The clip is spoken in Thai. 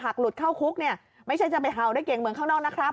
หลุดเข้าคุกเนี่ยไม่ใช่จะไปเห่าได้เก่งเหมือนข้างนอกนะครับ